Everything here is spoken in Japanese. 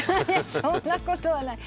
そんなことはない。